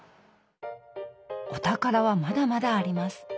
お宝はまだまだあります。